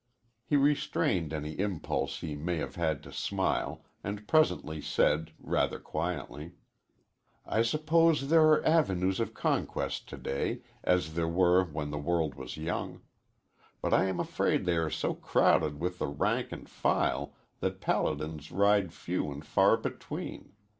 He restrained any impulse he may have had to smile, and presently said, rather quietly: "I suppose there are avenues of conquest to day, as there were when the world was young. But I am afraid they are so crowded with the rank and file that paladins ride few and far between.